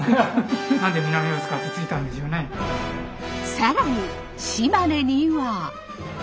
更に島根には。